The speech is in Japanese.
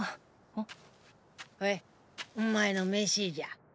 ほれお前のメシじゃ。